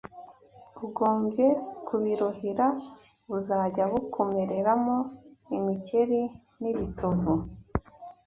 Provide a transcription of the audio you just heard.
ugombye kubiruhira, buzajya bukumereramo imikeri n’ibitovu